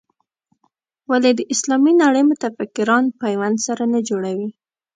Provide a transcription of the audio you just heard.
ولې د اسلامي نړۍ متفکران پیوند سره نه جوړوي.